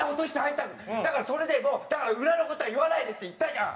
だからそれでもうだから裏の事は言わないでって言ったじゃん！